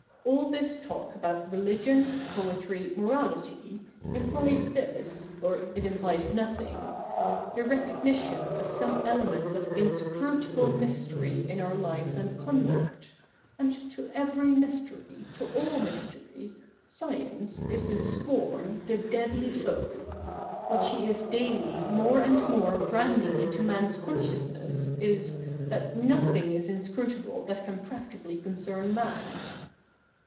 All this talk about Religion, Poetry, Morality, implies this — or it implies nothing — the recognition of some elements of inscrutable mystery in our lives and conduct ; and to every mystery, to all mystery, science is the sworn, the deadly foe. What she is daily more and more branding into man's consciousness is, that nothing is inscrutable that can practically concern man.